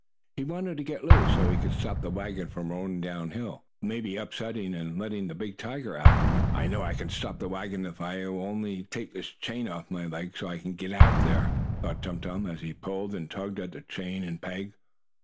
He wanted to get loose so he could stop the wagon from rolling down hill, maybe upsetting and letting the big tiger out. "I know I can stop the wagon, if they will only take this chain off my leg, so I can get out there," thought Tum Tum, as he pulled and tugged at the chain and peg.